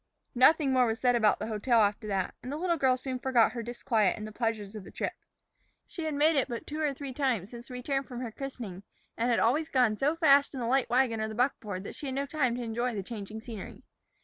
Nothing more was said about the hotel after that, and the little girl soon forgot her disquiet in the pleasures of the trip. She had made it but two or three times since the return from her christening, and had always gone so fast in the light wagon or the buckboard that she had no time to enjoy the changing scenery.